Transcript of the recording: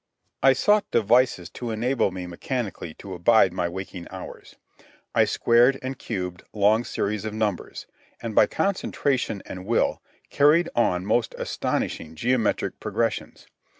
I sought devices to enable me mechanically to abide my waking hours. I squared and cubed long series of numbers, and by concentration and will carried on most astonishing geometric progressions.